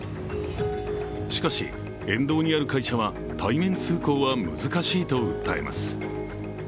しかし、沿道にある会社は対面通行は難しいと訴えます。